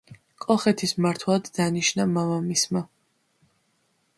კოლხეთის მმართველად დანიშნა მამამისმა.